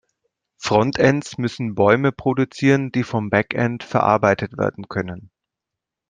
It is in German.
Frontends müssen Bäume produzieren, die vom Backend verarbeitet werden können.